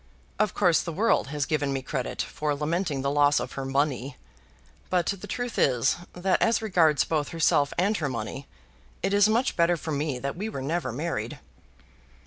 Of course the world has given me credit for lamenting the loss of her money. But the truth is, that as regards both herself and her money, it is much better for me that we were never married."